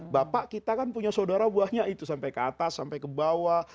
bapak kita kan punya saudara banyak itu sampai ke atas sampai ke bawah